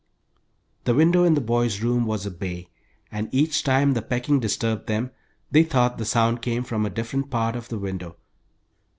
The window in the boys' room was a bay, and each time the pecking disturbed them they thought the sound came from a different part of the window.